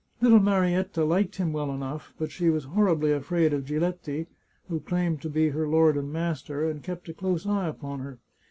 Little Marietta liked him well enough, but she was horribly afraid of Giletti, who claimed to be her lord and master, and kept a close eye upon her.